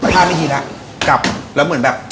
๕นาทีละกลับแล้วเหมือนแบบ